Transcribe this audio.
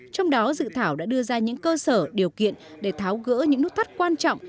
trong đó dự thảo đã đưa ra những cơ sở điều kiện để tháo gỡ những nút thắt quan trọng